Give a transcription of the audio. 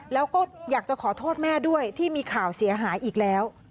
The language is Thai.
แล้วก็อยากจะขอโทษแม่ด้วยที่มีข่าวเสียหายอีกแล้ว